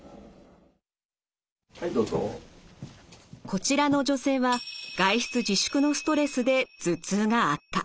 こちらの女性は外出自粛のストレスで頭痛が悪化。